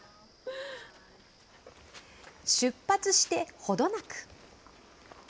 出発してほどなく。